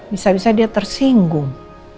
bisa bisa dia tersinggung